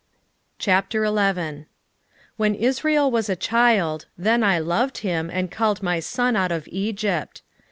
11:1 When Israel was a child, then I loved him, and called my son out of Egypt.